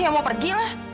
ya mau pergi lah